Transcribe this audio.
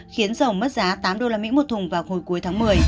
khiến dầu mất giá tám usd một thùng vào hồi cuối tháng một mươi